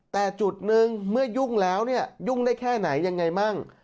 แต่จุดหนึ่งเมื่อยุ่งแล้วเนี่ยยุ่งได้แค่ไหนยังไงมั่ง